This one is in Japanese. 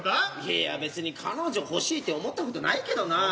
いや別に彼女欲しいって思ったことないけどなぁ。